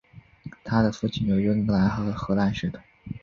她的父亲有英格兰和荷兰血统。